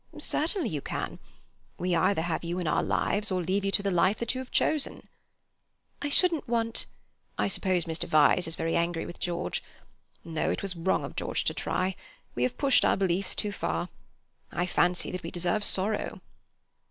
"Certainly you can. We either have you in our lives, or leave you to the life that you have chosen." "I shouldn't want—" "I suppose Mr. Vyse is very angry with George? No, it was wrong of George to try. We have pushed our beliefs too far. I fancy that we deserve sorrow."